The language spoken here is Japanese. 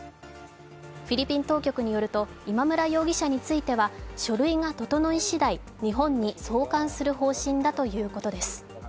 フィリピン当局によると今村容疑者については書類が整い次第、日本に送還する方針だということです。